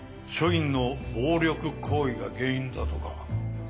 署員の暴力行為が原因だとか。